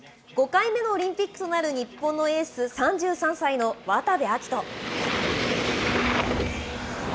５回目のオリンピックとなる日本のエース、３３歳の渡部暁斗。